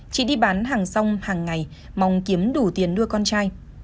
chị đi bán hàng xong hàng ngày mong kiếm đủ tiền đưa con trai